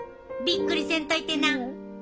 びっくりせんといてな。